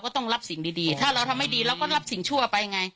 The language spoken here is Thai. ต้องรับสิ่งดีถ้าเราทำไม่ดีเราก็รับสิ่งชั่วไปไง